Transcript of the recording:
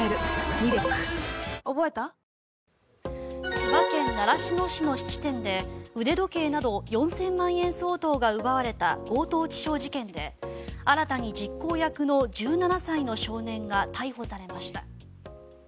千葉県習志野市の質店で腕時計など４０００万円相当が奪われた強盗致傷事件で新たに実行役の１７歳の少年が逮捕されました。